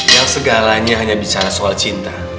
yang segalanya hanya bicara soal cinta